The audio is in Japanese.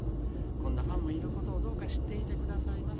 こんなファンもいることをどうか知っていて下さいませ。